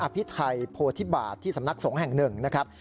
พิไทยโพธิบาทที่สำนักสงฆ์แห่งหนึ่งนะครับ